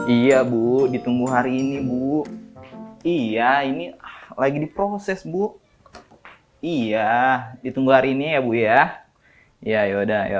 ia bu ditunggu hari ini bu iya ini lagi diproses bu iya ditunggu hari ini ya bu ya ya yaudah yuk